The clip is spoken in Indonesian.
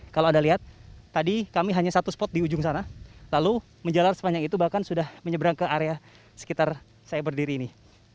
kalau anda lihat tadi kami hanya satu spot di ujung sana lalu menjalar sepanjang itu bahkan sudah menyeberang ke area sekitar saya berdiri ini